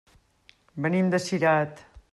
Venim de Cirat.